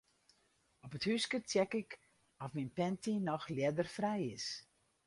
Op it húske check ik oft myn panty noch ljedderfrij is.